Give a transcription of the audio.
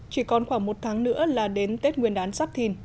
chỉ còn khoảng một tháng nữa là đến tết nguyên đán sắp thìn